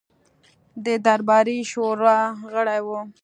د درباري شورا غړی وو.